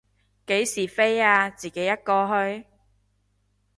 幾時飛啊，自己一個去？